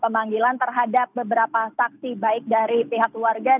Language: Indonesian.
pemeriksaan umum tersebut sudah dilakukan dari pihak pemeriksaan rumah sakit